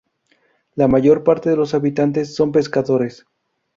La mayor parte de los habitantes son pescadores.